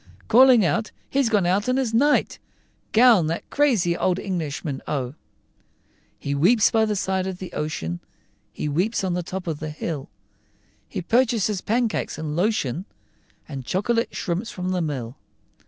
Calling out, "He's come out in his night Gown, that crazy old Englishman, oh!" He weeps by the side of the ocean, He weeps on the top of the hill; He purchases pancakes and lotion, And chocolate shrimps from the mill.